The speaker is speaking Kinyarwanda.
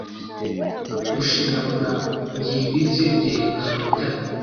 Gushyingura byimbitse byerekana urutare